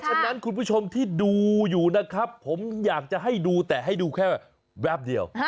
ฉะนั้นคุณผู้ชมที่ดูอยู่นะครับผมอยากจะให้ดูแต่ให้ดูแค่แวบเดียว